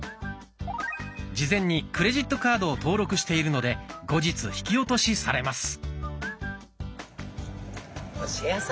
事前にクレジットカードを登録しているので後日引き落としされます。